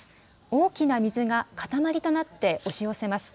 大きな水が塊となって押し寄せます。